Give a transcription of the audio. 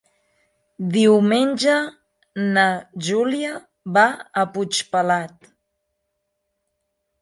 Diumenge na Júlia va a Puigpelat.